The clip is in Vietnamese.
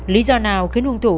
lý do nào khiến hùng thủ